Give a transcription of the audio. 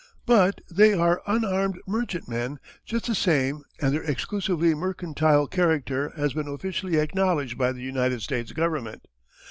But they are unarmed merchantmen just the same and their exclusively mercantile character has been officially acknowledged by the United States Government.